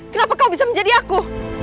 kenapa kau bisa menjadi aku